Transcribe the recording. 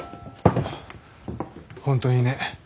本当にね